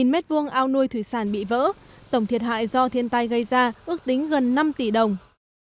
một mươi m hai ao nuôi thủy sản bị vỡ tổng thiệt hại do thiên tai gây ra ước tính gần năm tỷ đồng